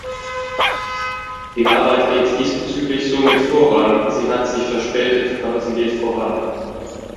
Die Arbeit geht diesbezüglich somit voran sie hat sich verspätet, aber sie geht voran.